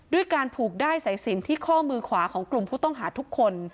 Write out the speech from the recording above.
การผูกด้ายสายสินที่ข้อมือขวาของกลุ่มผู้ต้องหาทุกคน